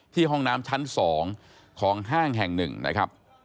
ห้องน้ำชั้น๒ของห้างแห่ง๑นะครับ